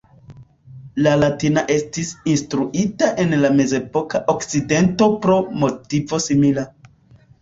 La latina estis instruita en la mezepoka Okcidento pro motivo simila.